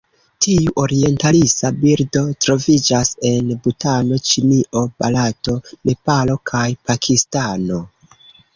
Tiu orientalisa birdo troviĝas en Butano, Ĉinio, Barato, Nepalo kaj Pakistano.